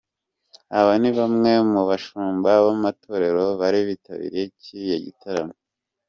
Aba ni bamwe mu bashumba b’amatorero bari bitabiriye kirirya gitaramo.